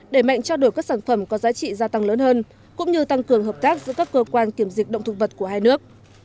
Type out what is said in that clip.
để mạnh trao đổi các sản phẩm có giá trị gia tăng lớn hơn cũng như tăng cường hợp tác giữa các cơ quan kiểm dịch động thực vật của hai nước